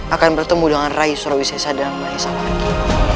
akan bertemu dengan rai surawisesa dan rai salaki